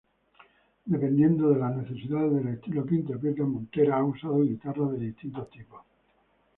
Dependiendo las necesidades del estilo que interpreta, Montera ha usado guitarras de distintos tipos.